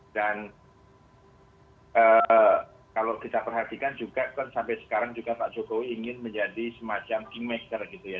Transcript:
dan kalau kita perhatikan juga kan sampai sekarang juga pak jokowi ingin menjadi semacam kingmaker gitu ya